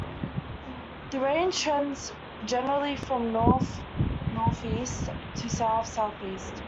The range trends generally from north-northeast to south-southwest.